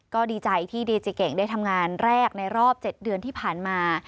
ก็ดีใจที่ดีเจเก่งได้ทำงานแรกในรอบ๗เดือนที่ผ่านมา